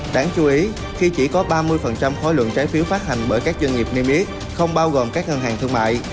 đáng chú ý khi chỉ có ba mươi khối lượng trái phiếu phát hành bởi các doanh nghiệp niêm yết không bao gồm các ngân hàng thương mại